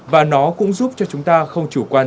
và nó cũng giúp cho chúng ta không chủ quan